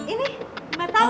ini empat tahun